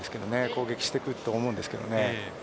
攻撃してくると思うんですけどね。